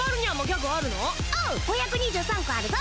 ５２３個あるぞ！